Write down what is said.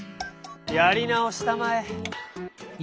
やりなおしたまえ」。